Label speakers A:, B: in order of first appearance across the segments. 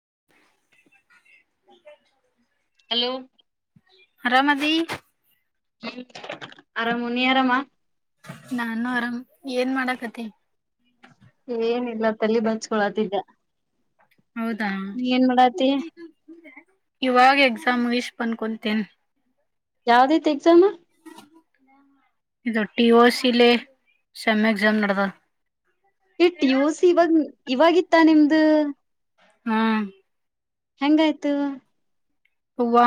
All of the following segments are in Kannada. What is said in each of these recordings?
A: [inaudible]
B: ಹಲೋ
A: ಅರಾಮದಿ
B: ಹ್ಮ ಆರಾಮು. ನೀ ಆರಾಮ?
A: ನಾನು ಆರಾಮ್, ಏನ್ ಮಾಡಾಕತಿ?
B: ಏನಿಲ್ಲ, ತಲಿ ಬಾಚ್ಕೊಳತ್ತಿದೆ.
A: ಹೌದಾ! ಇವಾಗ ಎಕ್ಸಾ ತ್ತ ಮುಗೀಶ್ ಬಂದ್ ಕುಂತಿನ್.
B: ಯಾವ್ದೈತಿ ಎಕ್ಸಾಮ್?
A: ಇದು, ಟಿಒಸಿ ಲೆ ಸೆಮ್ ಎಕ್ಸಾಮ ನಡ್ದಾವ್.
B: ಈ ಟಿಒಸಿ ಇವಾಗ ಇವಾಗಿತ್ತ ನಿಮ್ದ....?
A: ಹ್ಮ್
B: ಹೆಂಗಯ್ತು?
A: ಅವ್ವಾ..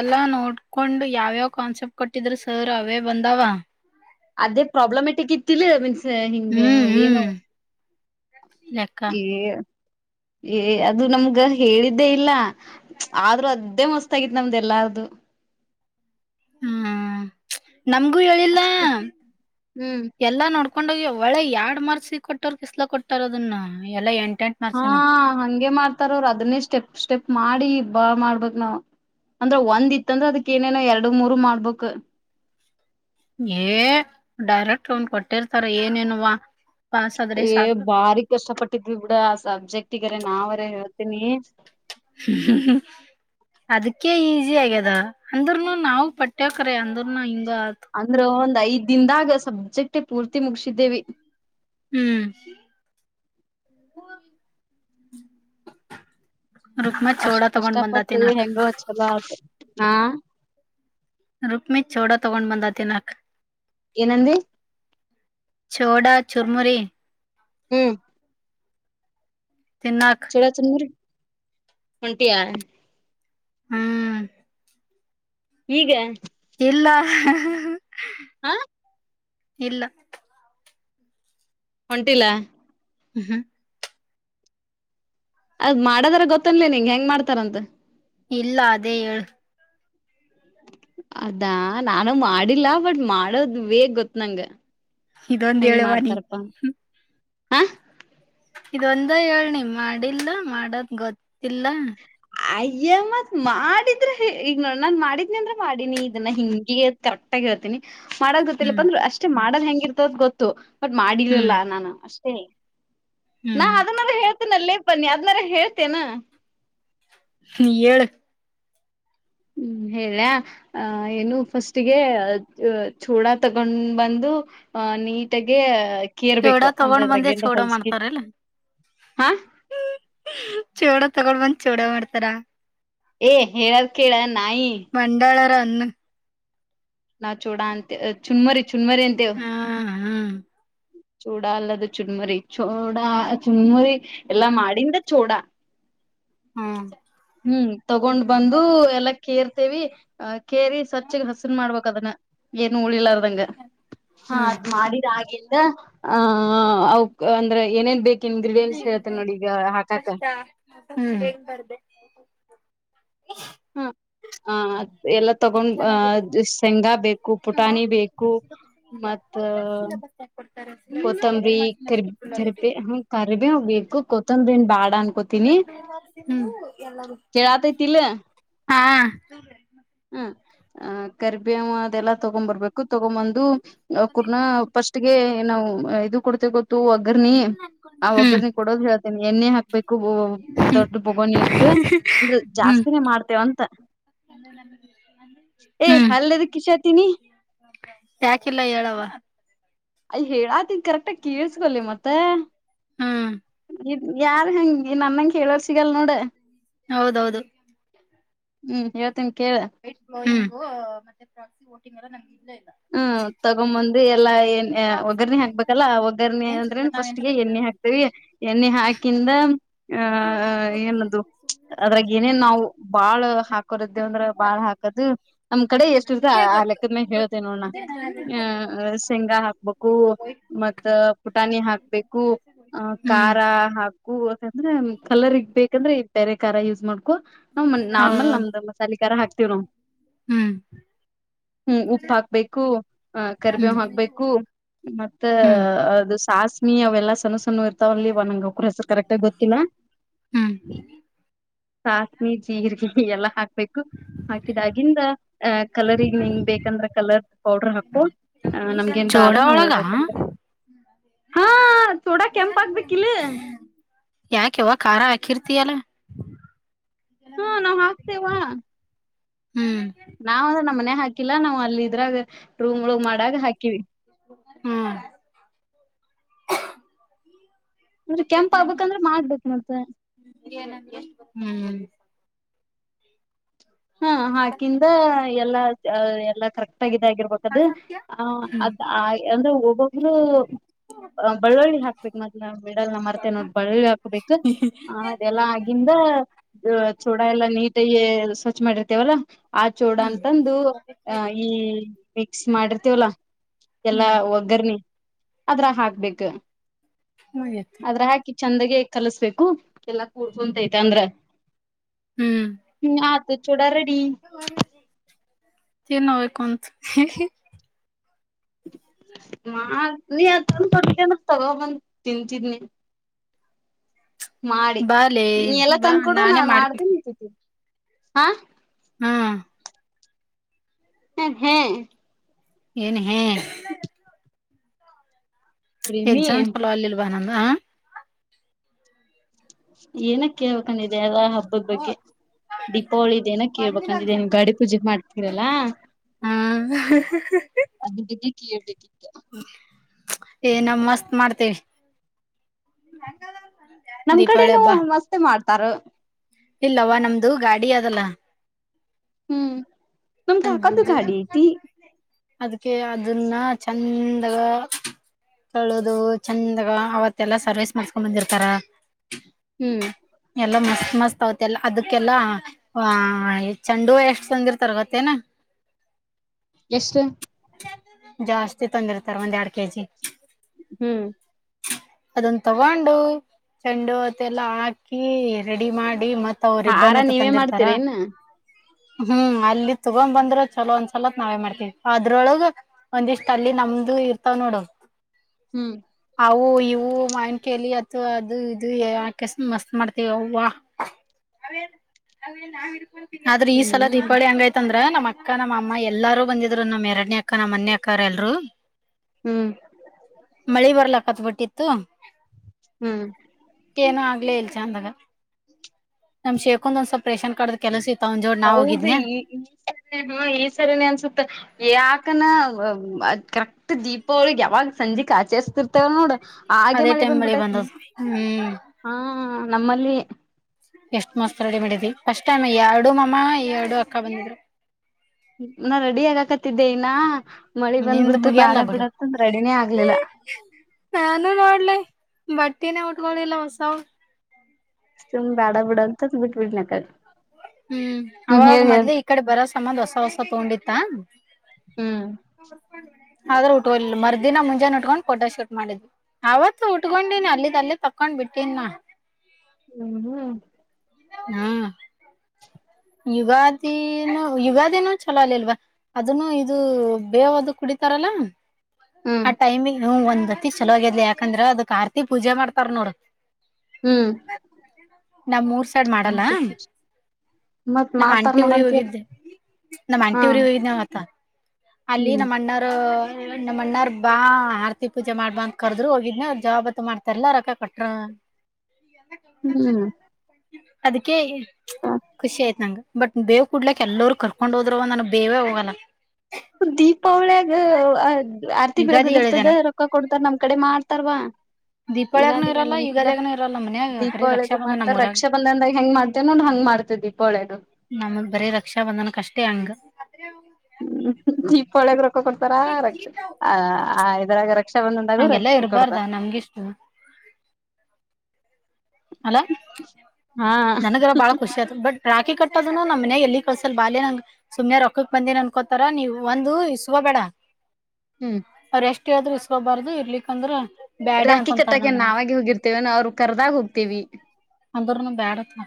A: ಎಲ್ಲಾ ನೋಡ್ಕೊಂಡ್ ಯಾವ್ಯಾವ್ ಕಾನ್ಸೆಪ್ಟ್ ಕೊಟ್ಟಿದ್ರು ಸರ್ ಅವೇ ಬಂದಾವ.
B: ಅದೇ ಪ್ರೊಬ್ಲಮೆಟಿಕ್ ಇತ್ತಿಲ್ಲಾ? ಸ ಹಿಂಗ
A: ಹ್ಮ್ ಹ್ಮ್
B: ಏನಾವು
A: ಲೆಕ್ಕ
B: ಏ ಏ ಅದು ನಮ್ಗ ಹೇಳಿದ್ದೇ ಇಲ್ಲ ಆದ್ರೂ, ಅದೇ ಮಸ್ತ್ ಆಗಿತ್ತು ನಮ್ದ ಎಲ್ಲಾರ್ದು
A: ಹ್ಮ ನಮ್ಗೂ ಹೇಳಿಲ್ಲ
B: ಅಷ್ಟು ಹ್ಮ್
A: ಎಲ್ಲಾ ನೋಡ್ಕೊಂಡೋಗ್ಯಾವ್ ಒಳೆ ಎರಡ್ ಮಾರ್ಕ್ಸ್ಗೆ ಕೊಟೂರ್ಕಿಸಲ ಕೊಟ್ಟಾರು ಅದನ್ನ ಎಲ್ಲ ಎಂಟ
B: ಹಾ ಹಂಗೆ ಮಾಡ್ತಾರ ಅವರು ಅದನ್ನೇ ಸ್ಟೆಪ್ ಸ್ಟೆಪ್ ಮಾಡಿ ಬಾಳ ಮಾಡ್ಬೇಕ್ ನಾವ್ ಅಂದ್ರೆ ಒಂದ್ ಇತ್ತಂದ್ರ ಅದಕ್ ಏನೇನೋ ಎರಡು ಮೂರ್ ಮಾಡ್ಬೇಕ
A: ಏ ಡೈರೆಕ್ಟ್ ಒನ್ ಕೊಟ್ಟಿರ್ತಾರ ಏನೇನುವಾ ಪಾಸ್ ಆದ್ರೆ
B: ಏ
A: ಸಾಕು
B: ಬಾರಿ ಕಷ್ಟ ಪಟ್ಟಿದ್ವಿ ಬಿಡ ಆ ಸಬ್ಜೆಕ್ಟ್ ಗೆ ನಾವ್ ಅರೇ ಹೇಳ್ತೀನಿ
A: ಅದಕ್ಕೆ ಈಜಿ ಆಗ್ಯದ ಅಂದ್ರನು ನಾವು ಪಟ್ಟೆವು ಖರೆ ಅಂದ್ರನು ಆತು
B: ಅಂದ್ರ ಒಂದು ಐದ ದಿನದಾಗ ಸಬ್ಜೆಕ್ಟ್ ಪೂರ್ತಿ ಮುಗಸಿದ್ದೇವಿ
A: ಹ್ಮ್ ರುಕ್ಮ
B: ಅಷ್ಟ
A: ಚೋಡ ತಗೊಂಡ್ ಬಂದ
B: ಕಷ್ಟಪಟ್ಟು
A: ತಿನ್ನಾಕ್
B: ಹೆಂಗೋ ಒಂದ್ ಚೊಲೋ ಆತ್ ಹಾ?
A: ರುಕ್ಮಿ ಚೋಡ ತಗೊಂಡ್ ಬಂದ ತಿನಕ್
B: ಏನಂದಿ
A: ಚೋಡಾ ಚುರ್ಮುರಿ
B: ಹ್ಮ್
A: ತಿನ್ನಾಕ್
B: ಚೋಡ ಚುರುಮುರಿ ಹೊಂಟಿಯಾ
A: ಹ್ಮ್
B: ಈಗ
A: ಇಲ್ಲ
B: ಹಾ
A: ಇಲ್ಲ
B: ಒಂಟಿಲ್ಲ
A: ಹ್ಮ ಹ್ಮ್
B: ಅದ್ ಮಾಡದಾರ ಗೊತ್ತನ್ಲಿ ನಿಂಗ ಹೆಂಗ್ ಮಾಡ್ತಾರಂತ
A: ಇಲ್ಲ ಅದೇ ಹೇಳು
B: ಅದಾ ನಾನು ಮಾಡಿಲ್ಲ ಬಟ್ ಮಾಡೋದ ವೇ ಗೊತ್ತು ನನಗೆ
A: ಇದೊಂದು ಹೇಳವ್ವ ನಿ
B: ಹಾ
A: ಇದೊಂದ ಹೇಳನಿ ಮಾಡಿಲ್ಲ ಮಾಡದ ಗೊತ್ತಿಲ್ಲ
B: ಅಯ್ಯ ಮತ್ ಮಾಡಿದ್ರೆ ಈಗ ನೋಡ ನಾನ್ ಮಾಡಿದ್ನಿ ಅಂದ್ರ ಮಾಡಿನಿ ಇದನ್ನ ಹಿಂಗೆ ಕರೆಟ್ಟಾಗಿ ಹೇಳ್ತೀನಿ ಮಾಡ
A: ಹ್ಮ್
B: ಗೊತ್ತಿಲ್ಲಪ್ಪಂದ್ರೆ ಅಷ್ಟೇ ಮಾಡ ಹೆಂಗಿರ್ತದ ಗೊತ್ತು ಬಟ್ ಮಾಡಿರೀಲ್ಲ
A: ಹ್ಮ್
B: ನಾನು ಅಷ್ಟ [unintelligible] ನಾ
A: ಹ್ಮ್
B: ಅದನ್ನಾದ ಹೇಳ್ತೇನ ಅಲ್ಲಿ ಪ ನೀ ಅದನ್ನಾದ್ರ ಹೇಳ್ತಿಯೆನಾ
A: ನೀ ಹೇಳು
B: ಹ್ಮ್ ಹೇಳ ಆ ಏನು ಫಸ್ಟ್ಗೆ ಚೂಡ ತಗೊಂಡ್ ಬಂದು ಆ ನೀಟಾಗ
A: ಚೋಡ ತಗೊಂಡ್ ಬಂದೆ ಚೋಡ ಮಾಡ್ತಾರಲ್ಲ
B: ಹಾ
A: ಚೋಡ ತಗೊ ಬಂದ್ ಚೋಡ ಮಾಡ್ತಾರ
B: ಏ ಹೇಳದ್ ಕೆಳ ನಾಯಿ
A: ಬಂಡಾಳರ ಅನ್ನು
B: ನಾವ್ ಚೋಡ ಅಂತ ಚುರ್ ಮುರಿ ಚುರಮುರಿ ಅಂತೇವ್
A: ಹ್ಮ್
B: ಚೂಡ ಅಲ್ಲದು ಚುರುಮುರಿ ಚೋಡ ಚುರುಮುರಿ ಎಲ್ಲಾ ಮಾಡಿಂದ ಚೋಡ
A: ಹ್ಮ್
B: ಹ್ಮ್ ತಗೊಂಡ್ ಬಂದು ಎಲ್ಲ ಕೇರ್ತೇವಿ ಅ ಕೇರಿ ಸ್ವಚ್ಛಗ ಹಸನ್ ಮಾಡ್ಬೇಕಕ್ ಅದನ್ನ ಏನು ಉಳಿಲಾರದು ಹಾ
A: ಹ್ಮ್
B: ಅದ್ ಮಾಡಿದ ಹಾಗ ಆ ಅಂದ್ರೆ ಏನೇನ್ ಬೇಕು
A: ಕಷ್ಟ ಹೇಗ್ ಬರ್ದೇ [inaudible]
B: ಹಾ ಹಾ ಎಲ್ಲ ತಗೊಂಡ್ ಅ ಶೇಂಗಾಬೇಕು ಪುಟಾಣಿ ಬೇಕು ಮತ್ತ ಕೊತ್ತಂಬರಿ ಕರಿಬ
A: ಅಷ್ಟು
B: ಕರಿಬಿ ಹ ಕರಿಬಿ ಬು ಕೊತ್ತಂಬ್ರನ್ ಬಾಡ ಅನ್ಕೋತೀನಿ ಕೇಳಾತೈತಿಲ್ಲ
A: ಹಾ
B: ಹಾ ಆ ಕರಿಬೇವ ಅದೆಲ್ಲಾ ತಗೊ್ ಬರ್ಬೇಕು ತಗೊಂಬಂದು ಕುೂರ್ನ ಫಸ್ಟ್ಗೆಏ ಕರಿಬೇವು ಅದನ ತಕ್ಕೊಂಡು ನಾವವು ಇದು ಕೊಡ್ತೆೇವ ಗೊತ್ತು ಕರಿಬೇವು ಎಲ್ಲ ತಗೊಂಡು ಬರಬೇಕು ನಾವು ಇದು ಕೊಡ್ತೀನಿ ಅದು ಒಗ್ಗರ್ನಿ ಆ
A: ಹ್ಮ್
B: ಒಗ್ಗರ್ನಿ ಕೊಡೋದು ಹೇಳ್ತೇನಿ ಎಣ್ಣೆ ಹಾಕ್ಬೇಕು ದೊಡ್ಡ್ ಬೊಗನಿ ಇಟ್ಟ ಅಂದ್ರ ಜಾಸ್ತಿನೇ ಮಾಡ್ತೇವಂತ
A: ೆ [inaudible]
B: ಈ ಹಲ್ ಎದಕ್ಕೆ ಕಿಸಾಕ್ತಿನಿ
A: ಯಾಕಿಲ್ಲ ಹೇಳವ
B: ಅಯ ಹೇಳಾತನ್ ಕರೆಕ್ಟಗ ಕೇಳ್ಸ್ಕೊಲ್ಲಿ ಮತ್ತೆ
A: ಹ್ಮ್
B: ಇ ಯಾರ್ ಹೆಂಗ
A: ಹೌದೌದು
B: ಹ್ಮ್ ಇವ
A: ವೈ ಬ್ಲೌಸ್ ಮತ್ತೆ ಾಕ್ಿ [unintelligible] ತಿಂಗಳ ನಂಗೆ
B: ಹ್ಮ್ ತಗೊಂಬಂದ ಎಲ್ಲಾ ಏ ಒಗ್ಗರ್ರಣಿ ಹಾಕ್ಬೇಕಲ್ಲ ಒಗ್ಗರ್ರಣಿ ಅಂದ್ರೇನ್ ಫಸ್ಟ್ಗೆ ಎಣ್ಣೆ ಹಾಕ್ತೇವಿ ಎಣ್ಣೆ ಹಾಕಿಂದ ಆಹ ಏನ ಅದ್ರಾಗ ಏನೇನ್ ನಾವು ಬಾಳ್ ಹಾಕೋರದೇವ ಅಂದ್ರ ಬಾಳ ಹಾಕದು ನಮ್ ಕಡೆ ಎಷ್ಟು ಇರ್ತ ಆ ಲೆಕ್ಕದ ಮೇ ಹೇಳ ನೋಣ ಆ ಶೇಂಗಾ ಹಾಕ್ಬೇಕು ಮತ್ತ ಪುಟಾಣಿ ಹಾಕ್ಬೇಕು ಆ
A: ಹ್ಮ್
B: ಖಾರ ಹಾಕು ಯಾಕಂದ್ರೆ ಕಲರ್ ಇಗ್ಬೇಕಂದ್ರೆ ತೆರೆಖಾರ ಯೂಸ್ ಮಾಡಬೇಕ ನಾರ್ಮಲ್
A: ಹೌದು
B: ನಮ್ದ ಮಸಾಲೆ ರ ಆಗ್ತಿವಿ ನಾವು
A: ಹ್ಮ್
B: ಹ್ಮ ಉಪ್ಪ ಹಾ ಬೆಕ್ಕು ಕರಿಬೇವ ಹಾಕ್ಬೇಕು ಮತ್ತ
A: ಹ್ಮ್ ಹ್ಮ್
B: ಅದು ಸಾಸ ನೀ ಅವೆಲ್ಲ ಸ್ಣ ಸ್ಣ ಲ್ಲಿ ಒಂಗಕರಸ ಕರೆಕ್ಟ್ ಆಗ ಗೊತ್ತಿಲ್ಲ
A: ಹ್ಮ್
B: ಚಾಸಣಿ ಜೀರಿಗೆ ಎಲ್ಲಾ ಹಾಕ್ಬೇಕು ಹಾಕಿದಾಗಿಂದ ಅ ಕಲರ್ಗ್ ನಿಂಗ ಬೇಕಂದ್ರೆ ಕಲರ್ ಪೌಡ್ರ ಹಾಕು ನಮ್ಗ ನ್ ಬೇಡ
A: ಜೋಡ
B: ನಾವು ಯಾಕಂದ್ರ
A: ಒಳಗ
B: ಹಾ ಸೋಡಾ ಕೆಂಪ್ ಹಾಕ್ಬೇಕಿಲ್ಲ
A: ಯ ಕೆವ ಕಾರಾರ ಕೀರ್ತಿಯಲ್ಲ
B: ಹಾ ನಾವ್ ಹಾಕ್ತೇವಾ
A: ಹ್ಮ್
B: ನಾವ್ ಅಂದ್ರೆ ನಮ್ಮ ಮನೆ ಹಾಕಿಲ್ಲ ನಾವ್ ಅಲ್ಲಿ ಇದ್ರಾಗ ರೂಮ್ ಒಳಗ್ ಮಾಡಾಗ ಹಾಕಿವಿ
A: ಹ್ಮ್
B: ಅಂದ್ರೆ ಕೆಂಪ್ ಆಗ್ಬೇಕಂದ್ರ ಮಾಡ್ಬೇಕ್ ಮತ್ತ
A: [inaudible] ಹ್ಮ್
B: ಹಾ ಹಾಕಿಂದ ಎಲ್ಲಾ ಎಲ್ಲಾ ಕರೆಕ್ಟ್ ಆಗಿದೆ ಆಗಿರ್ಬೇಕದು ಆಹ
A: ಹ್ಮ್
B: ಅದ್ ಅಂದ್ರೆ ಒಬ್ಬೊಬ್ರು ಅ ಬಳ್ಳುಳ್ಳಿ ಹಾಕ್ಬೇಕು ಮದ್ ಬಿಡಲ್ನ ಮರ್ತೆ ನೋ ಬಳ್ಳುಳ್ಳಿ ಹಾಕ್ಬೇಕು ಆ ಅದೆಲ್ಲಾ ಆಗಿಂದ ಇದ ಚೂಡ ಎಲ್ಲಾ ನೀ ಏ ಮಾಡಿರ್ತೇವಲ್ಲಾ ಆ ಚೋಡ
A: ಹ್ಮ್
B: ಅಂತಂದು ಆ ಈ ಮಿಕ್ಸ್ ಮಾಡಿರ್ತೀವಲ್ಲ ಎಲ್ಲಾ
A: ಹ್ಮ್
B: ಒಗ್ಗರ್ನಿ ಅದ್ರಾಗ ಹಾಕ್ಬೇಕ
A: ಮುಗಿತ
B: ಅದ್ರ ಹಾಕಿ ಚಂದಗೆ ಕಲಸ್ಬೇಕು ಎಲ್ಲಾ ಕೂಡ್ಕೊಂತೈತೆ ಅಂದ್ರ [inaudible] ಚೋಡಾರೇ
A: ತಿನ್ನವ ಕುಂತ
B: ಮಾ ನೀ ಅದ್ ತಂದ್ ಕೊಟ್ಟಿಯದ್ರ ತೊಗೊ ಬಂದ್ ತಿಂತಿದ್ನಿ ಮಾಡಿ
A: ಬಾಲೆ
B: ನೀ ಎಲ್ಲ
A: ಬಾ
B: ತಂದ್ಕೊಡು
A: ನಾನೇ
B: ನಾನ್ ಮಾಡತೀನ್
A: ಮಾಡ್ಕೊಡ್ತೀನಿ
B: ನೀ ಹಾ
A: ಹ್ಮ
B: ಹ ಹ್ಯಾ
A: ಏನ್ ಹ್ಯಾ
B: ಪ್ರೇಮಿ
A: ಎಕ್ಸಾಮ್ಸ್ ಚುಲೋ ಅಲ್ಲಿಲ್ವಾ ನಮ್ದ ಆ
B: ಏನ ಕೇಳ್ಬೇಕಂದಿದ್ದೆ ಅಲ್ಲ ಹಬ್ಬದ ಬಗ್ಗೆ ದೀಪಾವಳಿ ಇದೇನ ಕೇಳ್ಬೇಕಂದಿದ್ದೇ ನೀವು ಗಾಡಿ ಪೂಜೆ ಮಾಡ್ತೀರಲ್ಲ
A: ಹ್ಮ್
B: ಅದರ್ ಬಗ್ಗೆ ಟಿ
A: ಏ ನಾವ ಮಸ್ತ್ ಮಾಡ್ತೇವಿ
B: ನಮ್ ಕಡೆನು ಮಸ್ತ್ ಮಾಡ್ತ ತಾರು
A: ಇಲ್ಲವಾ ನಮ್ದು ಗಾಡಿ ಅದಲ್ಲ
B: ಹ್ಮ್ ನಮ್ದ್ದ ಕಾಕದು ಗಾಡಿ ಐತಿ
A: ಅದ್ಕ್ಕೆ ಅದನ್ನ ಚಂದಾಗ ಕಳೋದು ಚಂದಾಗ ಅವತ್ತೆಲ್ಲ ಸರ್ವಿಸ್ ಮಾಡಸ್ಕೊಂಡ್ ಬಂದಿರ್ತಾರ
B: ಹ್ಮ್
A: ಎಲ್ಲ ಮಸ್ ಅವತ್ತೆಲ್ಲ ಅದಕ್ಕೆಲ್ಲ ಆ ಚೆಂಡ ಹೂವ ಎಷ್ಟ್ ತಂದಿರ್ತಾರಗೊತ್ತೇನ
B: ಎಷ್ಟು
A: ಜಾಸ್ತಿ ತಂದಿರ್ತಾರ ಒಂದ್ ಎರಡ್ ಕೆಜಿ
B: ಹ್ಮ್
A: ಅದನ್ ತಗೊಂಡು ಚೆಂಡೂ ಅದೆಲ್ಲಾ ಹಾಕಿ ರೆಡಿ ಮಾಡ್ ಮತ್ತು
B: ಆ ಹಾರಾ ನೀವೇ ಮಾಡ್ತೀರೇನ್
A: ಹ್ಮ್ ಅಲ್ಲಿ ತುಗೊಂಡ್ಬಂದ್ರ ಚುಲೋ ಅನ್ಸಲ್ಲಂತ್ ನಾವೇ ಮಾಡ್ತೀವಿ ಅದ್ರೊಳಗ ಒಂದಿಷ್ಟ್ ಅಲ್ಲಿ ನಮ್ದು ಇರ್ತಾವ ನೋಡು
B: ಹ್ಮ್
A: ಅವು ಈ ನೀವು ಮಾವನ್ಕಲಿ ಅಥವಾ ಅದು ಇದು ಯಾಕಸ್ ಮಸ್ತ್ ಮಾಡ್ತೇವಿ ಹವ ಹೇ ಹೇ ನಾವ್ ಇಡ್ಕೊಂಡು ಆದ್ರ ಈ ಸಲ
B: ಹ್ಮ್
A: ದೀಪಾವಳ ಹಂಗಾಯ್ತು ಅಂದ್ರೆ ನಮ್ಮ್ ಅಕ್ಕ ನಮ್ಮ ಅಮ್ಮ ಎಲ್ಲಾರೂ ಬಂದಿದ್ರು ನಮ್ಮ್ ಎರಡನೇ ಅಕ್ಕ ನಮ್ಮ್ ಒನ್ನೇ ಅಕ್ಕ ಎಲ್ರು
B: ಹ್ಮ್
A: ಮಳೆ ಬರಲ ಕತ್ ಬಟ್ಟೆ [inaudible]
B: ಹ್ಮ್
A: ಏನ ಆಗ್ಲೇ ಇಲ್ ಚಂದಾಗ ನಮ್ ಶೇಖದು ಒಂದ್ ಸ್ವಲ್ಪ ರೇಷನ್ ಕಾರ್ಡ್ ದು ಕೆಲಸ ಇತ್ತು ಅವನ್ ಜೋಡ್ ನಾ
B: ಹೌದು
A: ಹೋಗಿದ್ನ್ಯ
B: ಈ ಇಲ್ಲಿ ಸರಿನೆೇ ಅನ್ನಿಸುತ್ತೆ ಯಾಕನಾ ಅ ಕರೆಕ್ಟ್ ದೀಪವಳಿ ಅವ್ರಿಗೆ ಯಾವಾಗ ಸಂಜೆ ಆಚರಿಸ್ತಿರ್ ನೋಡು ಹಾಗೆ
A: ಅದೇ
B: ಮಳಿ
A: ಟೈಮ್
B: ಬಂದ್ಬಿಟ್ಟೈತಿ
A: ಬಂದದ್ ಹ್ಮ್
B: ಹಾ ನಮ್ಮಲ್ಲಿ
A: ಎಷ್ಟ್ ಮಸ್ತ್ ರೆಡಿ ಮಾಡಿದ್ವಿ ಫಸ್ಟ್ ಟೈಮ್ ಎರಡು ಮಾಮ್ಮ ಎರಡು ಅಕ್ಕ ಬಂದಿದ್ರು
B: ನಾ ರೆಡಿಯಗಾಕತ್ತಿದ್ದೆ ಇನ್ನ ಮಳಿ
A: ನಿಂದ
B: ಬಂದ್ಬಿಡ್ತು
A: ಮುಗಿಯಲ್ಲ
B: ಬ್ಯಾಡ
A: ಬಿಡ
B: ಬಿಡತ್ತಂದ ರೆಡಿನೇ ಆಗ್ಲಿಲ್ಲ
A: ನಾನು ನೋಡ್ಲ ಬ ಬಟ್ಟೆನೆ ಉಟ್ಕೊಳಿಲ್ಲ
B: ಸುಂಬ್ ಬ್ಯಾಡ ಬಿಡ ಅಂತ ಅಂದ ಬಿಟ್ಬ ಬಿಡ್ನಕ
A: ಹ್ಮ್ ಅವಾಗ ಮದ್ಲ ಈ ಕಡೆ ಬರೋ ಸಂಬಂಧ ಹೊಸ ಹೊಸ ತಗೊಂಡಿತ್ತಾ
B: ಹ್ಮ್
A: ಆದ್ರೆ ಉಟ್ಕ ಮರ್ದಿನ ಮುಂಜಾನೆ ಉಟ್ಕೊಂಡ್ ಫೋಟೋ ಶೂಟ್ ಮಾಡಿದ್ವಿ ಅವತ್ ಉಟ್ಕೊಂಡನಿ ಅಲ್ಲಿದ್ದ ಅಲ್ಲಿ ತಕೊಂಡ್ ಬಿಟ್ಟೀನಿ
B: ಹ್ಮ್ ಹ್ಮ
A: ಹ್ಮ್ ಯುಗಾದಿನು ಯುಗಾದಿನು ಚಲೋ ಅಲ್ಲಿಲ್ವಾ ಅದನ್ನು ಇದು ಬೇವದು ಕುಡಿತಾರಲ್ಲ
B: ಹ್ಮ್
A: ಆ ಟೈಮಿಂಗ್ ಒಂದು ಅತಿ ಚಲೋಗಿದ್ಲಿ ಯಾಕಂದ್ರ ಅದ್ ಕಾರ್ತಿ ಪೂಜೆ ಮಾಡ್ತಾರ ನೋಡ್
B: ಹ್ಮ್
A: ನಮ್ಮರೂ ಸೈಡ್ ಮಾಡಲ್ಲ
B: ಮತ್
A: ನಮ್ಮ್
B: ಮಾಡ್ತಾರ
A: ಆಂಟಿ ಊರಿಗೆ
B: ನೋಡಂತೀರ
A: ಹೋಗಿದ್ದೆ ನಮ್ಮ್ ಆಂಟಿ
B: ಹಾ
A: ಊರಿಗೆ ಹೋಗಿದ್ದೆನಾ ತ ಅಲ್ಲಿ
B: ಹ್ಮ್
A: ನಮ್ಮ ಅಣ್ಣಾರು ನಮ್ಮ ಅಣ್ಣಾರ್ ಬಾ ಆರತಿ ಪೂಜೆ ಮಾಡ್ಬ ಅಂತ ಕರ್ದ್ರರು ಹೋಗಿದ್ನ ಜವಾಬತ್ತು ಮಾಡ್ತಾರಲ್ಲ ರೊಕ್ಕ ಕೊಟ್ರು. ಈಲ್ಲ ಕಂಪಲ್ಸರಿ
B: ಹ್ಮ್
A: ಅಲ್ಲ ಅದಕ್ಕೆ. ಖುಷಿ ಆಯ್ತ ನಂಗ ಬಟ್ ಬೇವ್ ಕುಡ್ಲಕ್ ಎಲ್ಲರು ಕರ್ಕೊಂಡ್ ಹೋದ್ರುವ ನನಗ್ ಬೇವೇ ಹೋಗಲ್ಲ.
B: ದೀಪಾವಳಿಯಾಗ ಆರ್ತಿ
A: ಯುಗಾದಿ ಹೇಳಿದೆನ
B: ಬೆಳಗದಿರ್ತದ ರೊಕ್ಕ ಕೊಡ್ತಾರ ನಮ್ ಕಡೆ ಮಾಡ್ತ. ತರ್ವಾ.
A: ದೀಪಾವಳಿಯಗನುೂ ಇರಲ್ಲ ಯುಗಾದಿಯಗನುೂ ಇರಲ್ಲ ಮನ್ಯಾಗ ಬರೀ ರಕ್ಷಾ
B: ದೀಪಾವಳಿಗೂ
A: ಬಂಧನ
B: ಮಾಡ್ತಾರ
A: ನಮ್ಮೂರಾಗ
B: ರಕ್ಷಾ ಬಂಧನದಾಗ ಹೆಂಗ್ ಮಾಡ್ತೇವ ನೋಡ್ ಹಂಗ್ ಮಾಡ್ತೇವ ದೀಪಾವಳಿಯಾಗ
A: ನಮ ಬರೀ ರಕ್ಷಾ ಬಂಧನ ಕಷ್ಟೇ ಹಂಗ.
B: ಹ್ಮ್ ದೀಪಳೆಗ್ ರೊಕ್ಕ ಕೊಡ್ತಾರಾ ರಕ್ಷೆ ಆ ಆಯುತು. [unintelligible]
A: ಹಂಗೆಲ್ಲಾ ಇರ್ಬಾರ್ದ ನಮ್ಗೆಷ್ಟು. ಅಲ
B: ಹಾ
A: ನನಗಾರ ಬಾಳ ಖುಷಿ ಆಯ್ತು ಬಟ್. ರಾಖಿ ಕಟ್ಟೋದನು ನಮ್ನೆ ಎಲ್ಲಿ ಕಳ್ಸಲ್ ಬಾಲ್ಯ ನಂಗ ಸುಮ್ನೆ ರೊಕ್ಕಕ್ ಬಂದೀನಿ ಅನ್ಕೋತಾರ ನೀವು ಒಂದು ಇಸುಕೋ ಬೇಡ.
B: ಹ್ಮ್.
A: ಎಷ್ಟಾದರೂ ಇಸ್ಕೊಬಾರ್ದು ಇರ್ಲಿಕ್ ಅಂದ್ರೆ.
B: ರಾಖಿ ಕಟ್ಟಾಕೆ ನಾವಾಗ ಹೋಗಿರ್ತೇವ ಅವ್ರು ಕರ್ದಾಗ ಹೋಗ.
A: ಅಂದ್ರನು ಬ್ಯಾಡತ್ರ.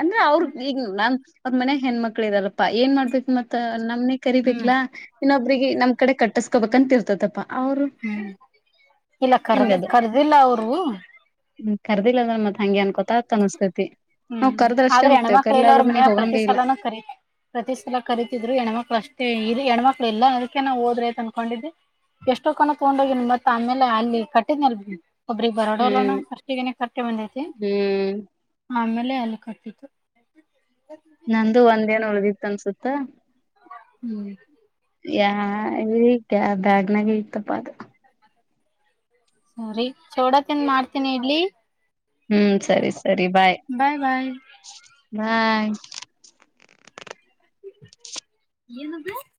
B: ಅಂದ್ರೆ ಅವ್ರ ಈಗ ನನ್. ಮನ್ಯಗೆ ಹೆಣ್ಮಕ್ಳ ಇದಾರಪ್ಪಾ ಏನ್ ಮಾಡ್ತಕ್ ಮತ್ತಾ. ನಮ್ನೆ
A: ಹ್ಮ್
B: ಕರಿಬೇಕ್ಲಾ ಇನ್ನೊಬ್ಬ. ಅವ್ರಿಗೆ ನಮ್ ಕಡೆ ಕಸ್ಕೋಬೇಕಂತ ಇರ್ತಪ್ಪಾ.
A: ಹ್ಮ್ ಇಲ್ಲ ಕರ್
B: ಹಿಂಗದ
A: ಕರ್ದಿಲ್ಲ ಅವರು.
B: ಕರ್ದಿಲ್ಲ ಅಂದ್ರೇ ಮತ್ತ್ ಹಂಗೆ ಅನ್ಕೊತಾತ ಅನ್ಸ್ತಾಯಿತಿ.
A: ಹ್ಮ್ ಆದ್ರೆ ಹೆಣ್ಮಕ್ಳ ಎಲ್ಲ್ರ ಮನಯ ಪ್ರತಿ
B: ಹೋಗಂಗೆ ಇಲ್ಲ
A: ಸಲಾನೂ ಕರ ಪ್ರತಿ ಸಲ ಕರೀತಿದ್ರು ಹೆಣ್ಮಕ್ಳ ಅಷ್ಟೇ ಇದು ಹೆಣ್ಮಕ್ಳ. ಇಲ್ಲ ಅದಕ್ಕೆ ನಾವುಹೊದ್ರೆತ ಅನ್ಕೊಂಡಿದ್ದಿ ಎಷ್ಟೋ ಕಣ ತಗೊಂಡೋಗಿ ಮತ್ತ ಆಮೇಲೆ ಅಲ್ಲಿ ಕಟ್ಟದ್ನಲ್. ಒಬ್ರಗ್ ಬರೋಡಲ್ಲಾನೂ
B: ಹ್ಮ್
A: [unintelligible] ಕೆಟ್ಟಿ ಬಂದೈತಿ
B: ಹ್ಮ್
A: ಅಮೇಲೆ ಅಲ್ಲಿ ಕಟ್ಟಿತ್ತು.
B: ನಂದು ಒಂದೇನ ಉಳ್ದ್ದಿತು. ಅನ್ಸುಸುತ್ತೆ..
A: ಹ್ಮ್.
B: ಯ ಈ ಬ್ಯಾಗ್ನಾಗ ಇತಪ್ಪ ಅದು.
A: ಸಾರೀ ಚೋಡತಿಂದ ಮಾಡ್ತೀನಿ ಇಡ್ಲಿ.
B: ಹ್ಮ್ ಸರಿ ಸರಿ ಬಾಯ್. ಹಾಯ್.
A: ಏನು [unintelligible]